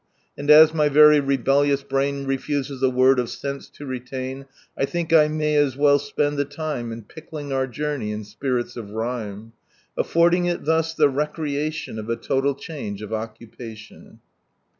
And as my very rebellious brain refuses a word of sense to retain. I think I may os well spend the lime in pickling our journey in spirits of rhyme, AiTording it thus the recreation of a total change of occupation.